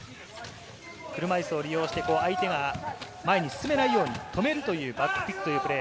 車いすを利用して相手が前に進めないように止めるというバックピックというプレー。